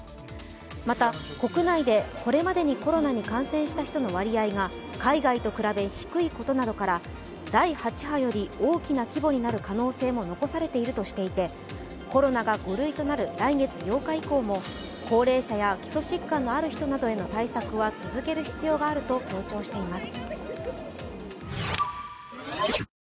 また、国内でこれまでにコロナに感染した人の割合が海外と比べ低いことなどから第８波より大きな規模になる可能性も残されているとしていて、コロナが５類となる来月８日以降も高齢者や基礎疾患のある人などへの対策は続ける必要があると強調しています。